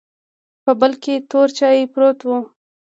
په بل کې تور چاې پروت و.